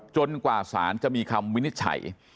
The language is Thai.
กว่าสารจะมีคำวินิจฉัย